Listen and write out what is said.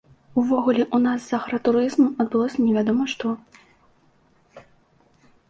Увогуле, у нас з агратурызмам адбылося невядома што.